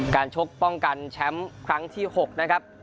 ชกป้องกันแชมป์ครั้งที่๖นะครับ